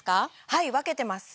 はい分けてます